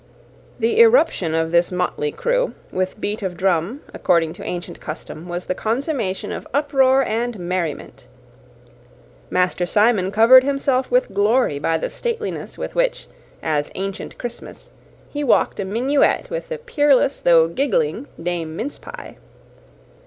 The irruption of this motley crew, with beat of drum, according to ancient custom, was the consummation of uproar and merriment. Master Simon covered himself with glory by the stateliness with which, as Ancient Christmas, he walked a minuet with the peerless, though giggling, Dame Mince Pie.